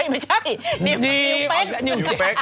ไม่ใช่นิวเป๊๊ก